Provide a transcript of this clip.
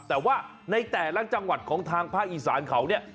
แต่ว่าในแต่ละจังหวัดของทางภาคอีสานเขาเนี่ย